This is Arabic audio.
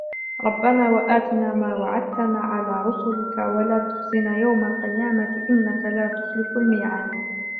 رَبَّنَا وَآتِنَا مَا وَعَدْتَنَا عَلَى رُسُلِكَ وَلَا تُخْزِنَا يَوْمَ الْقِيَامَةِ إِنَّكَ لَا تُخْلِفُ الْمِيعَادَ